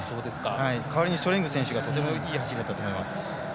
代わりにシュトレング選手がいい走りだったと思います。